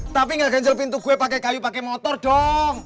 tapi gak ganjel pintu gue pake kayu pake motor dong